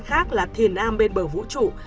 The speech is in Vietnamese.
khác là thiền am bên bờ vũ trụ